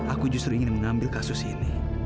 aku justru ingin mengambil kasus ini